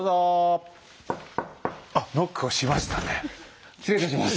あノックをしましたね。